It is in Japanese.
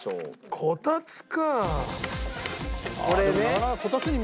こたつか。